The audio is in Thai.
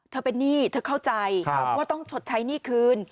เป็นหนี้เธอเข้าใจว่าต้องชดใช้หนี้คืน